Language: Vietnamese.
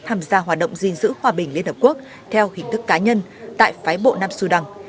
tham gia hoạt động gìn giữ hòa bình liên hợp quốc theo hình thức cá nhân tại phái bộ nam sudan